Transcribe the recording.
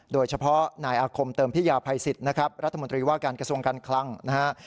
โดยเฉพาะนายอาคมเติมพิยาภัยสิทธิ์นะครับรัฐมนตรีว่าการกระทรวงการคลังนะฮะ